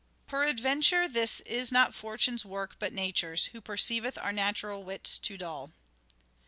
" Peradventure this is not Fortune's work but Nature's, who perceiveth our natural wits too dull."